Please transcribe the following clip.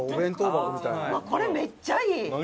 これめっちゃいい！何？